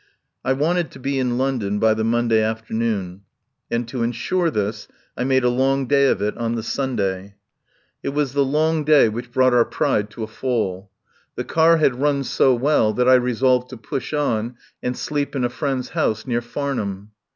I wanted to be in London by the Monday afternoon, and to insure this I made a long day of it on the Sunday. It was the long day 57 THE POWER HOUSE which brought our pride to a fall. The car had run so well that I resolved to push on and sleep in a friend's house near Farnham.